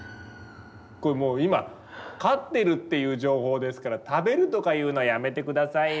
これもう今飼ってるっていう情報ですから食べるとか言うのはやめて下さいよ